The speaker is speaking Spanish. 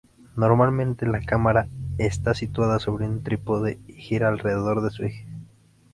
Normalmente la cámara está situada sobre un trípode y gira alrededor de su eje.